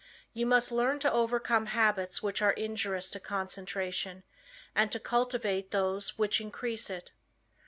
You must learn to overcome habits which are injurious to concentration, and to cultivate those which increase it.